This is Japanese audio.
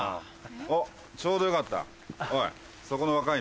おっちょうどよかったおい